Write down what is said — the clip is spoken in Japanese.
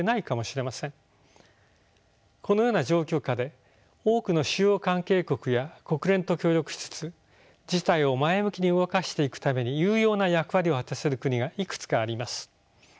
このような状況下で多くの主要関係国や国連と協力しつつ事態を前向きに動かしていくために有用な役割を果たせる国がいくつかあります。